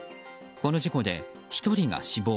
この事故で１人が死亡。